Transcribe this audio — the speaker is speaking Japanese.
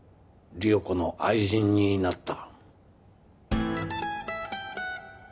理代子の愛人になった。